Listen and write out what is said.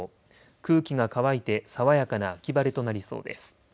空気が乾いて爽やかな秋晴れとなりそうです。